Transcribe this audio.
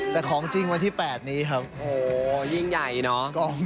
แต่ของจริงวันที่๘นี้ครับโอ้โหยิ่งใหญ่เนาะ